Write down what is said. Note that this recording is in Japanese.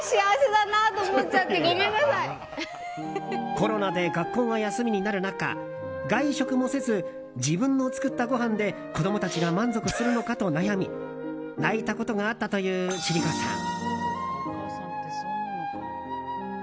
コロナで学校が休みになる中外食もせず自分の作ったごはんで子供たちが満足するのかと悩み泣いたことがあったという千里子さん。